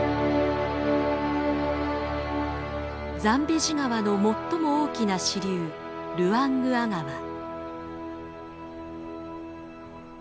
ザンベジ川の最も大きな支流ルアングワ川。